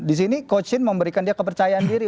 disini coachin memberikan dia kepercayaan diri